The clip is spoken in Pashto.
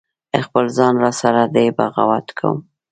خپل ځان را سره دی بغاوت کوم